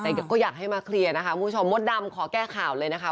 แต่ก็อยากให้มาเคลียร์นะคะคุณผู้ชมมดดำขอแก้ข่าวเลยนะคะ